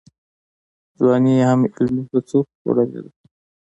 ځواني یې هم علمي هڅو خوړلې ده.